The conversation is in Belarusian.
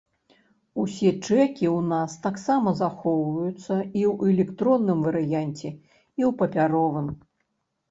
Усе чэкі ў нас таксама захоўваюцца і ў электронным варыянце, і ў папяровым.